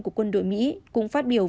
của quân đội mỹ cũng phát biểu